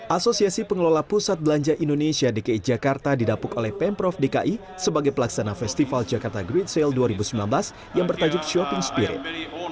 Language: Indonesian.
asosiasi pengelola pusat belanja indonesia dki jakarta didapuk oleh pemprov dki sebagai pelaksana festival jakarta great sale dua ribu sembilan belas yang bertajuk shopping spirit